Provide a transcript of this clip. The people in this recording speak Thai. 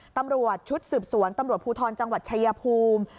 ตำรวจชุดสืบสวนตำรวจภูทรจังหวัดชายภูมิ